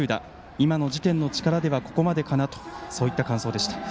今の時点では、ここまでかなとそういう感想でした。